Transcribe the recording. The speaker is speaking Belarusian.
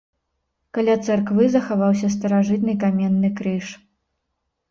Каля царквы захаваўся старажытны каменны крыж.